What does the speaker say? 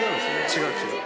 違う違う。